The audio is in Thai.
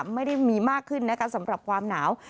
ไม่ได้มีมากขึ้นนะคะสำหรับความหนาว